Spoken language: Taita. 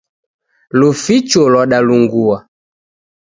Luficho lwadalungua